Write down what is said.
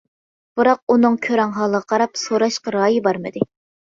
بىراق ئۇنىڭ كۆرەڭ ھالىغا قاراپ سوراشقا رايى بارمىدى.